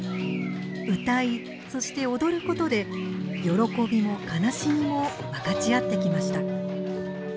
歌いそして踊ることで喜びも悲しみも分かち合ってきました。